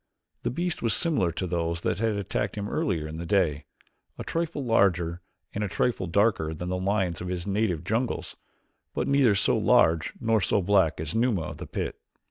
The beast was similar to those that had attacked him earlier in the day, a trifle larger and a trifle darker than the lions of his native jungles, but neither so large nor so black as Numa of the pit.